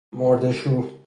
مرده شو